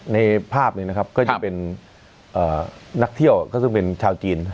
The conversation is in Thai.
ในภาพนี้นะครับก็จะเป็นนักเที่ยวก็ซึ่งเป็นชาวจีน